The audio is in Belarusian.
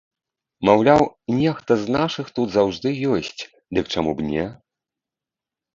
Маўляў, нехта з нашых тут заўжды ёсць, дык чаму б не?